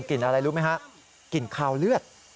กลิ่นอะไรรู้ไหมครับกลิ่นขาวเลือด